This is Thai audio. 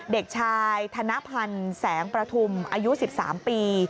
เด็กชายธนพันธ์แสงประทุมอายุ๑๓ปี